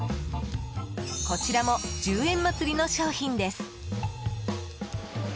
こちらも１０円祭りの商品です。